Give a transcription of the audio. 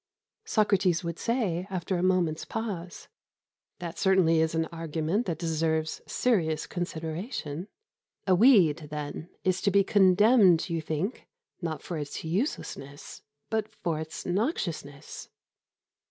Socrates would say, after a moment's pause: "That certainly is an argument that deserves serious consideration. A weed, then, is to be condemned, you think, not for its uselessness, but for its noxiousness?"